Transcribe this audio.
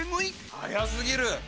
速すぎる。